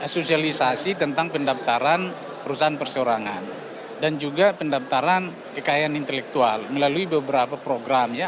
sosialisasi tentang pendaftaran perusahaan persorangan dan juga pendaftaran kekayaan intelektual melalui beberapa program ya